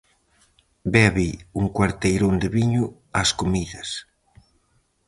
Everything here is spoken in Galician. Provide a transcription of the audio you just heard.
Bebe un cuarteirón de viño ás comidas.